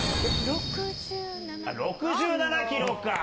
６７キロか。